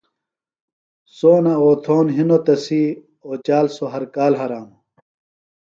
سونہ اوتھون ہنوۡ تسی، اوچال سوۡ ہر کال ہرانوۡ